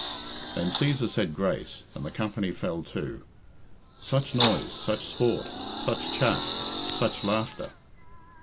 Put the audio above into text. Then Cæsar said grace, and the company fell to. Such noise, such sport, such chaff, such laughter!